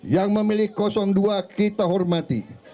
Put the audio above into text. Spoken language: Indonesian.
yang memiliki kosong dua kita hormati